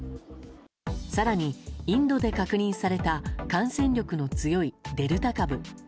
更に、インドで確認された感染力の強いデルタ株。